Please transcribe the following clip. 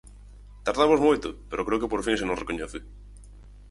Tardamos moito pero creo que por fin se nos recoñece.